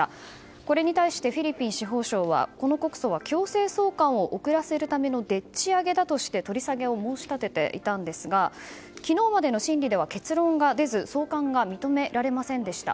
これに対してフィリピン司法省はこの告訴は強制送還を遅らせるためのでっちあげだとして取り下げを申し立てていたのですが昨日までの審理では結論が出ず送還が認められませんでした。